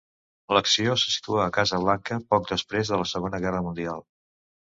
L'acció se situa a Casablanca, poc després de la Segona Guerra Mundial.